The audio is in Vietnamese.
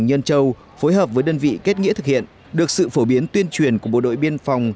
nhân châu phối hợp với đơn vị kết nghĩa thực hiện được sự phổ biến tuyên truyền của bộ đội biên phòng